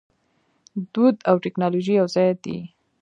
دود او ټیکنالوژي یوځای دي.